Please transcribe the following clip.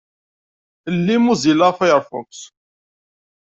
Lli Mozilla Firefox.